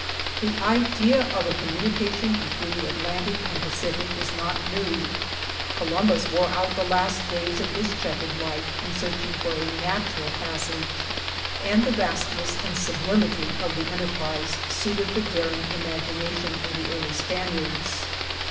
The idea <^ a communication between the Atlantic and Pacific is not new. Columbus wore out the last days of his checkered life in searching for a natural pas sage, and the vastness and sublimity of the enterprise suited the daring imagination of the early Spaniards.